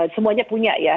semuanya punya ya